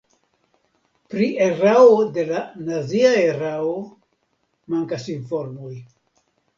Pri erao de la nazia erao mankas informoj.